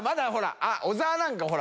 小沢なんかほら。